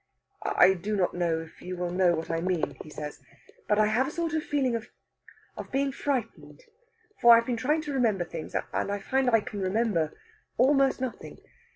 "I do not know if you will know what I mean," he says, "but I have a sort of feeling of of being frightened; for I have been trying to remember things, and I find I can remember almost nothing.